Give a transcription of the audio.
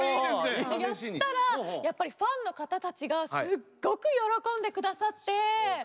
やったらやっぱりファンの方たちがすっごく喜んで下さって。